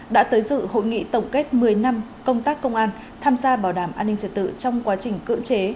đã tới dự hội nghị tổng kết một mươi năm công tác công an tham gia bảo đảm an ninh trật tự trong quá trình cưỡng chế